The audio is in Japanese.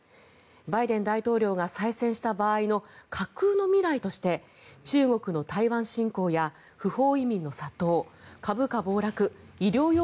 バイデン大統領が再選した場合の架空の未来として中国の台湾進攻や不法移民の殺到株価暴落医療用